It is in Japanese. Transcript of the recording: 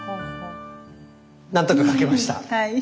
何とか描けました。